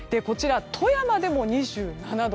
富山でも２７度。